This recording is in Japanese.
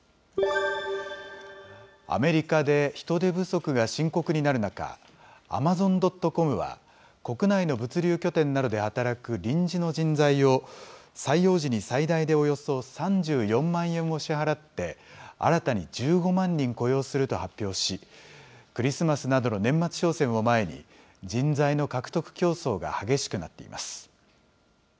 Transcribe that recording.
アメリカで人手不足が深刻になる中、アマゾン・ドット・コムは、国内の物流拠点などで働く臨時の人材を採用時に最大でおよそ３４万円を支払って、新たに１５万人雇用すると発表し、クリスマスなどの年末商戦を前に、人材の獲得競争が激しくなっています。